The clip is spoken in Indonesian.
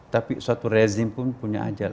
tapi suatu rezim pun punya ajal